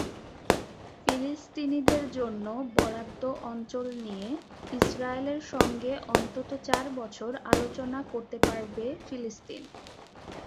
ফিলিস্তিনিদের জন্য বরাদ্দ অঞ্চল নিয়ে ইসরায়েলের সঙ্গে অন্তত চার বছর আলোচনা করতে পারবে ফিলিস্তিন।